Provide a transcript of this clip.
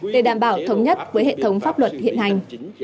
để đảm bảo thống nhất với hệ thống pháp luật hiện hành